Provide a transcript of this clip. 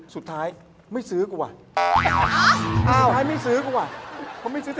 สุดท้ายว่าไม่ซื้อกว่า